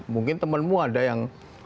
mungkin temanmu ada yang